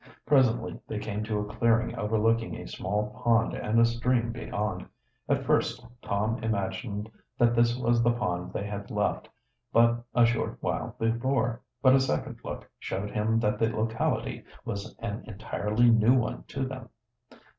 Presently they came to a clearing overlooking a small pond and a stream beyond. At first Tom imagined that this was the pond they had left but a short while before, but a second look showed him that the locality was an entirely new one to them.